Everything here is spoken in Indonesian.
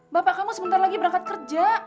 bapak kamu sebentar lagi berangkat kerja